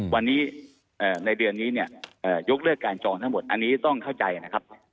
วันนี้ในเดือนนี้เนี่ยยกเลิกการจองทั้งหมดอันนี้ต้องเข้าใจนะครับ